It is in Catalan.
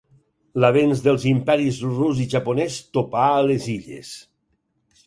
L'avenç dels imperis rus i japonès topà a les illes.